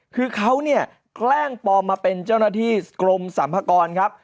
คือเขาเนี่ยแกล้งปลอมมาเป็นเจ้าหน้าที่กรมสรรพากรครับ